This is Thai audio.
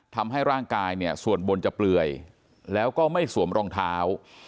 ทำให้ร่างกายเนี่ยส่วนบนจะเปลือยแล้วก็ไม่สวมรองเท้า